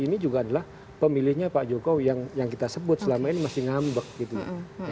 ini juga adalah pemilihnya pak jokowi yang kita sebut selama ini masih ngambek gitu ya